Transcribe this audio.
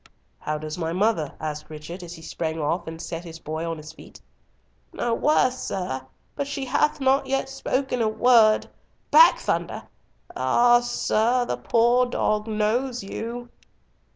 "How does my mother?" asked Richard, as he sprang off and set his boy on his feet. "No worse, sir, but she hath not yet spoken a word—back, Thunder—ah! sir, the poor dog knows you."